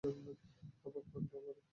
অবাক কাণ্ড, আমারও।